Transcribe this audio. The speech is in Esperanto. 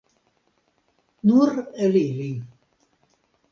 Nur el ili.